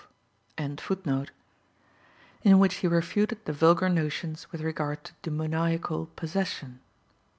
] in which he refuted the vulgar notions with regard to demoniacal possession.